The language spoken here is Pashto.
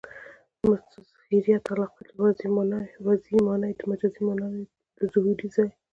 مظهریت علاقه؛ چي وضعي مانا د مجازي مانا د ظهور ځای يي.